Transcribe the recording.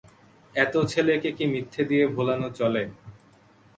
এত ছেলেকে কি মিথ্যে দিয়ে ভোলানো চলে?